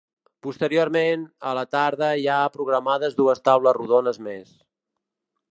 Posteriorment, a la tarda hi ha programades dues taules rodones més.